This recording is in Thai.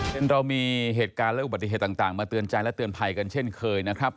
เรามีเหตุการณ์และอุบัติเหตุต่างมาเตือนใจและเตือนภัยกันเช่นเคยนะครับ